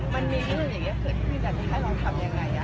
มันมีเลือดที่จะให้เราทำยังไงนะคะ